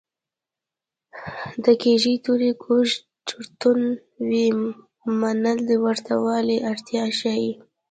د کږې تورې کوږ چړتون وي متل د ورته والي اړتیا ښيي